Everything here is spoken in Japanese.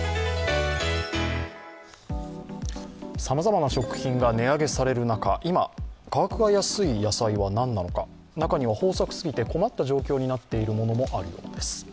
さまざまな食品が値上げされる中、今、価格が安い野菜は何なのか中には、豊作すぎて困った状況になっているものもあるようです。